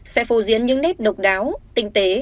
sẽ phô diễn những nét độc đáo tinh tế